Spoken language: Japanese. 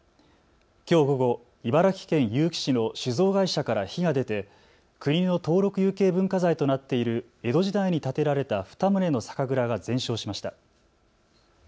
きょう午後、茨城県結城市の酒造会社から火が出て国の登録有形文化財となっている江戸時代に建てられた２棟の酒蔵が全焼しました。